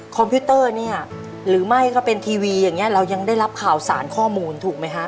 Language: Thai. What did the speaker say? พิวเตอร์เนี่ยหรือไม่ก็เป็นทีวีอย่างนี้เรายังได้รับข่าวสารข้อมูลถูกไหมฮะ